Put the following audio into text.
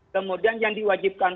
kemudian yang diwajibkan